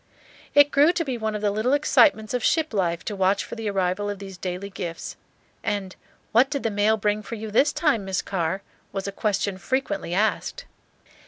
It grew to be one of the little excitements of ship life to watch for the arrival of these daily gifts; and "What did the mail bring for you this time, Miss Carr?" was a question frequently asked.